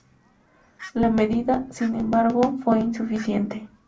La medida, sin embargo, fue insuficiente.